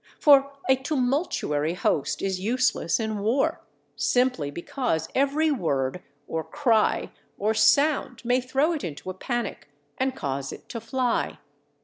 For a tumultuary host is useless in war, simply because every word, or cry, or sound, may throw it into a panic and cause it to fly.